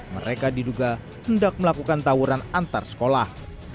mereka diduga hendak melakukan tawuran antar sekolah